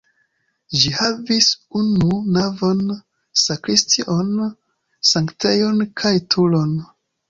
Ĝi havis unu navon, sakristion, sanktejon kaj turon.